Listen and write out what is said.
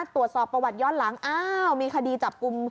ตรวจสอบประวัติย้อนหลังอ้าวมีคดีจับกลุ่ม